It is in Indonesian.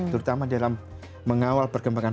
terutama dalam mengawal perkembangan